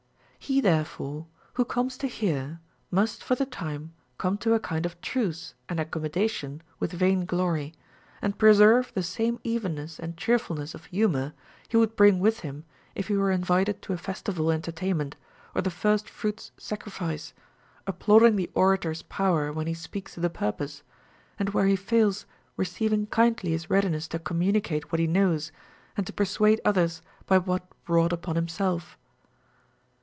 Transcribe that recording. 6. He therefore Λνΐιο comes to hear must for the time come to a kind of truce and accommodation Avith vain glorv. and preserve the same evenness and cheerfulness of humor he would bring Avith him if he were invited to a OF HEARING. 447 festival entertainment or the first fruits' sacrifice, applaud ing the orators power when he speaks to the purpose and where he fails receiving kindly his readiness to com municate what he knows and to persuade others by what wrought upon himself.